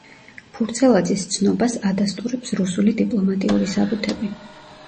ფურცელაძის ცნობას ადასტურებს რუსული დიპლომატიური საბუთები.